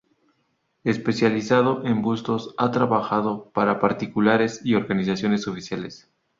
Especializado en bustos, ha trabajado para particulares y organismos oficiales.